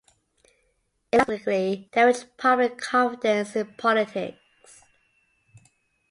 It lastingly damaged public confidence in politics.